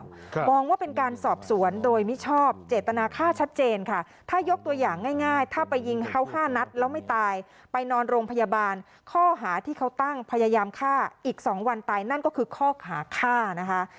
ครับมองว่าเป็นการสอบสวนโดยมิชอบเจตนาค่าชัดเจนค่ะถ้ายกตัวอย่างง่ายง่ายถ้าไปยิงเขาห้านัดแล้วไม่ตายไปนอนโรงพยาบาลข้อหาที่เขาตั้งพยายามฆ่าอีกสองวันตายนั่นก็คือข้อหาฆ่านะคะ